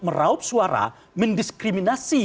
meraup suara mendiskriminasi